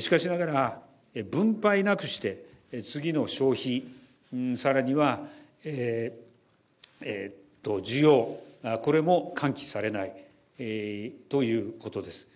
しかしながら、分配なくして、次の消費、さらには需要、これも喚起されないということです。